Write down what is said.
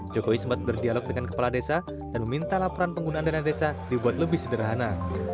jokowi sempat berdialog dengan kepala desa dan meminta laporan penggunaan dana desa dibuat lebih sederhana